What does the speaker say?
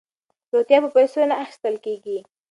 روغتیا په پیسو نه اخیستل کیږي.